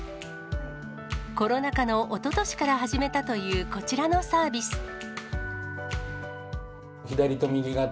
コロナ禍のおととしから始めたというこちらのサービス。